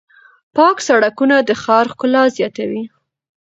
پاک سړکونه د ښار ښکلا زیاتوي.